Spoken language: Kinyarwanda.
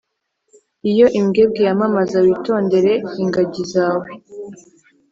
iyo imbwebwe yamamaza, witondere ingagi zawe.